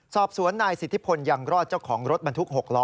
สอบสวนนายสิทธิพลยังรอดเจ้าของรถบรรทุก๖ล้อ